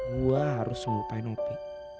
gue harus ngelupain opi